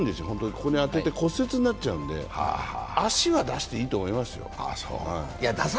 ここに当てて骨折になっちゃうんで足は出していいと思いますよ。